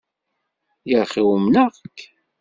Yaxi umneɣ-k.